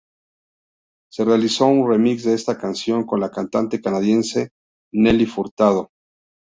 Se realizó un remix de esta canción con la cantante canadiense Nelly Furtado.